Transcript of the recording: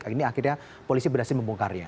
akhirnya akhirnya polisi berhasil membungkarnya